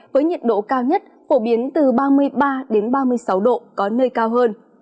với nhiệt độ cao nhất phổ biến từ ba mươi ba ba mươi sáu độ có nơi cao hơn